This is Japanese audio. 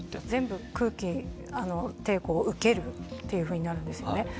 全部、空気抵抗を受けるというふうになるんですよね。